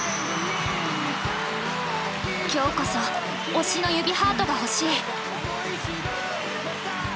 今日こそ推しの指ハートが欲しい！